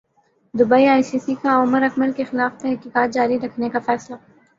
Dubai ICC کا عمراکمل کیخلاف تحقیقات جاری رکھنے کا فیصلہ